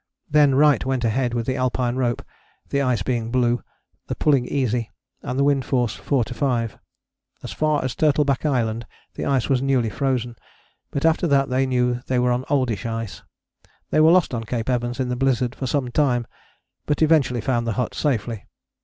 Then Wright went ahead with the Alpine rope, the ice being blue, the pulling easy, and the wind force 4 5. As far as Turtleback Island the ice was newly frozen, but after that they knew they were on oldish ice. They were lost on Cape Evans in the blizzard for some time, but eventually found the hut safely.